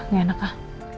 gak enak ah